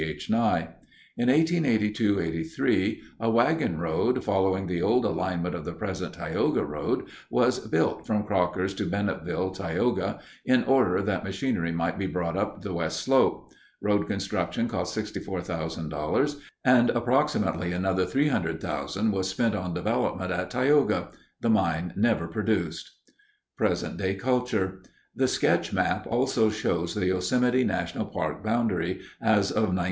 H. Nye. In 1882 83 a wagon road, following the old alignment of the present Tioga Road, was built from Crockers to Bennetville (Tioga) in order that machinery might be brought up the west slope. Road construction cost $64,000, and approximately another $300,000 was spent on development at Tioga. The mine never produced. PRESENT DAY CULTURE The sketch map also shows the Yosemite National Park Boundary as of 1946.